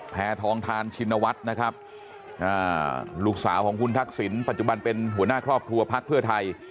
แพทองทานชินวัฒน์นะครับลูกสาวของคุณทักษิณปัจจุบันเป็นหัวหน้าครอบครัวพักเพื่อไทย